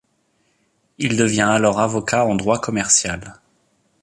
Il devient alors avocat en droit commercial.